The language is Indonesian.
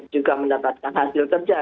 juga mendapatkan hasil kerja